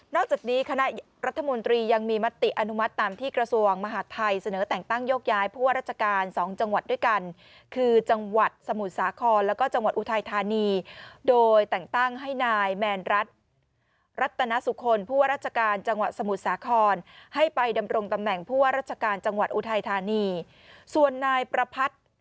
จากนี้คณะรัฐมนตรียังมีมติอนุมัติตามที่กระทรวงมหาดไทยเสนอแต่งตั้งโยกย้ายผู้ว่าราชการสองจังหวัดด้วยกันคือจังหวัดสมุทรสาครแล้วก็จังหวัดอุทัยธานีโดยแต่งตั้งให้นายแมนรัฐรัตนสุคลผู้ว่าราชการจังหวัดสมุทรสาครให้ไปดำรงตำแหน่งผู้ว่าราชการจังหวัดอุทัยธานีส่วนนายประพัทธ์